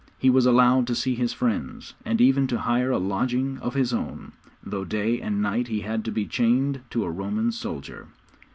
He was allowed to see his friends, and even to hire a lodging of his own, though day and night he had to be chained to a Roman soldier.